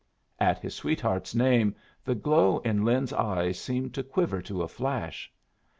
At his sweetheart's name the glow in Lin's eyes seemed to quiver to a flash.